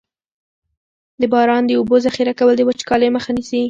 د باران د اوبو ذخیره کول د وچکالۍ مخه نیسي.